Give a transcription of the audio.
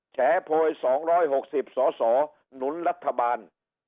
แฉพวยสองร้อยหกสิบสอสอนุนรัฐบาล